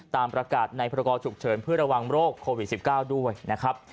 ตามประกาศในพรกรฉุกเฉินเพื่อระวังโรคโควิด๑๙ด้วยนะครับ